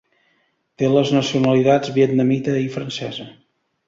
Té les nacionalitats vietnamita i francesa.